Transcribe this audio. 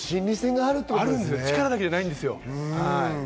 力だけではないんですよ。